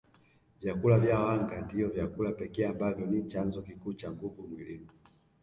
Vyakula vya wanga ndio vyakula pekee ambavyo ni chanzo kikuu cha nguvu mwilini